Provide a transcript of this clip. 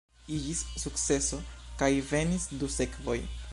Iĝis sukceso kaj venis du sekvoj.